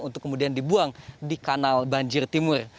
untuk kemudian dibuang di kanal banjir timur